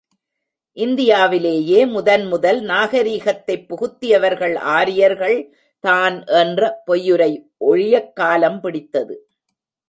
இந்தியாவிலேயே முதன் முதல் நாகரிகத்தைப் புகுத்தியவர்கள் ஆரியர்கள் தான் என்ற பொய்யுரை ஒழியக் காலம் பிடித்தது.